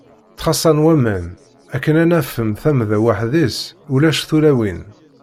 Ttxaṣṣan waman, akken ad naf-n tamda weḥd-s, ulac tulawin.